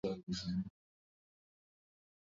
na hasa vile rais wale watakaopigania